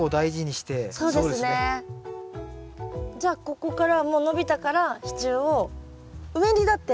じゃあここからもう伸びたから支柱を上にだって。